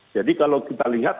jadi kalau kita lihat